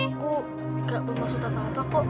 aku gak mau ngasih tau apa apa kok